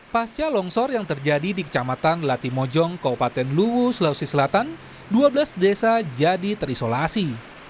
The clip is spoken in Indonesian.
pasca longsor yang terjadi di kecamatan latimojong kabupaten luwu sulawesi selatan dua belas desa jadi terisolasi